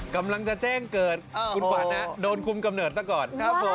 กำลังจะแจ้งเกิดคุณขวานอะโดนคุมกำเนิดต่อก่อน